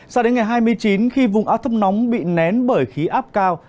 sao đến ngày hai mươi chín khi vùng áp thấp nóng bị nén bởi khí áp cao